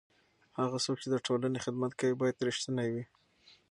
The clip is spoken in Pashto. هغه څوک چې د ټولنې خدمت کوي باید رښتینی وي.